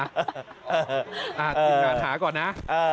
ติดดาดหาก่อนนะ